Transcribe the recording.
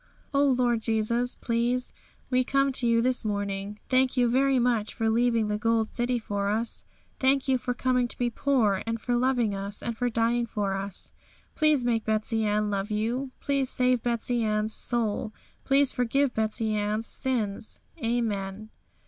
'O Lord Jesus, please, we come to you this morning. Thank you very much for leaving the Gold City for us. Thank you for coming to be poor, and for loving us, and for dying for us. Please make Betsey Ann love you. Please save Betsey Ann's soul. Please forgive Betsey Ann's sins. Amen.'